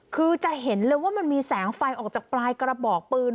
คือจะเห็นเลยว่ามันมีแสงไฟออกจากปลายกระบอกปืน